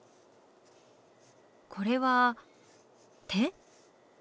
これは手？